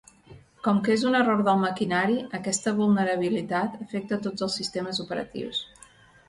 Com que és un error del maquinari, aquesta vulnerabilitat afecta a tots els sistemes operatius.